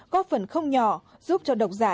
có phần không nhỏ giúp cho độc giả